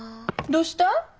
どうした？